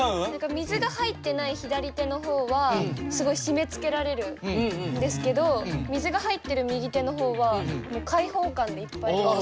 水が入ってない左手の方はすごい締めつけられるんですけど水が入ってる右手の方はもう開放感でいっぱいです。